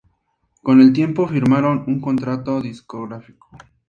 Con el tiempo, firmaron un contrato discográfico.